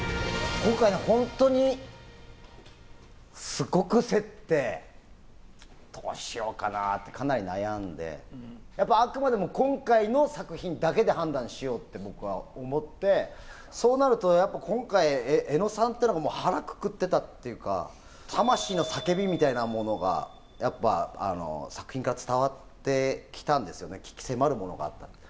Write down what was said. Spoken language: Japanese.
今回、本当にすごくせって、どうしようかなってかなり悩んで、やっぱあくまでも今回の作品だけで判断しようって僕は思って、そうなるとやっぱ今回、江野さんってのが、腹くくってたっていうか、魂の叫びみたいなものが、やっぱ作品から伝わってきたんですよね、鬼気迫るものがあった。